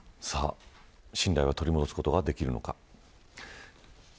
信頼を取り戻すことはできるのか。